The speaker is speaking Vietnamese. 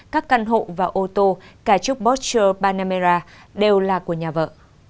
các căn hộ và ô tô cả chốc porsche panamera đều là của nhà vợ